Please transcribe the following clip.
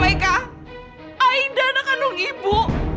aika aida anak kandung ibu